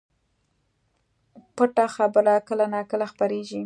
پټه خبره کله نا کله خپرېږي